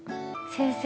先生